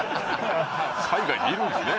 海外にいるんすね